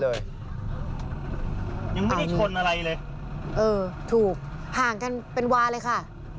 เออถูกห่างกันเป็นวาเลยค่ะ